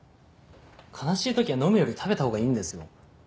悲しいときは飲むより食べたほうがいいんですよ。